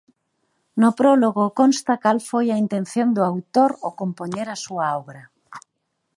No prólogo consta cal foi a intención do autor ao compoñer a súa obra.